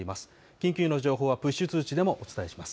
緊急の情報はプッシュ通知でもお伝えします。